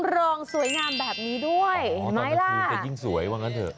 อ๋อตอนนั้นมีวิธีแต่ยิ่งสวยว่าอะไรบ้างนะเถอะ